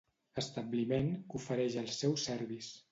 Establiment que ofereix els seus servis.